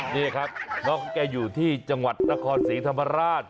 นี่ครับน้องแกอยู่ที่จังหวัดนครศรีธรรมราช